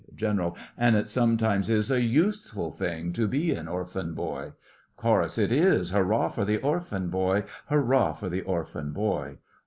GENERAL: And it sometimes is a useful thing To be an orphan boy. CHORUS: It is! Hurrah for the orphan boy! Hurrah for the orphan boy!